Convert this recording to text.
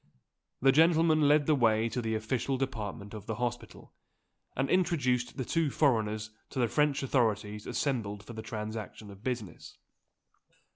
This gentleman led the way to the official department of the hospital, and introduced the two foreigners to the French authorities assembled for the transaction of business.